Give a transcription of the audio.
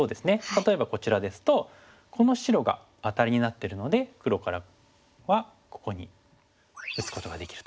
例えばこちらですとこの白がアタリになってるので黒からはここに打つことができると。